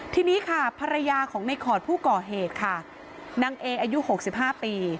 ทีนี้ค่ะภรรยาของในขอดผู้ก่อเหตุค่ะนางเออายุ๖๕ปี